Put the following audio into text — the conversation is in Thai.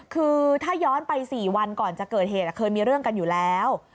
คือถ้าย้อนไป๔วันก่อนจะเกิดเหตุเคยมีเรื่องกันอยู่แล้ว